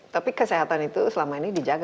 tapi kesehatan itu selama ini dijaga